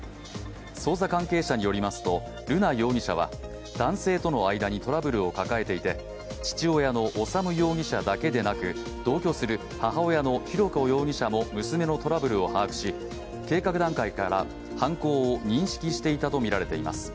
捜査関係者によりますと、瑠奈容疑者は男性との間にトラブルを抱えていて、父親の修容疑者だけでなく、同居する母親の浩子容疑者も娘のトラブルを把握し、計画段階から犯行を認識していたとみられています。